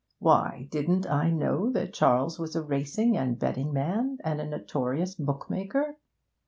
Why, didn't I know that Charles was a racing and betting man, and a notorious bookmaker?